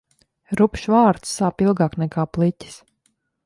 Rupjš vārds sāp ilgāk nekā pliķis.